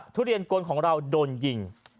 ทุเรียนกลของเราโดนยิง